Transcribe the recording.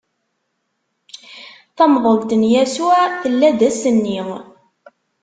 Tamḍelt n Yasuɛ tella-d ass-nni.